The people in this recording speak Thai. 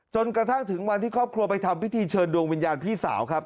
จนกระทั่งถึงวันที่ครอบครัวไปทำพิธีเชิญดวงวิญญาณพี่สาวครับ